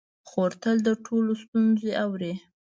خور تل د ټولو ستونزې اوري.